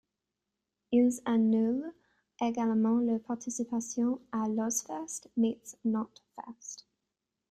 Ils annulent également leur participation à l'Ozzfest Meets Knotfest.